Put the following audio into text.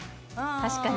確かに。